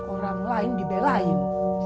orang lain dibelain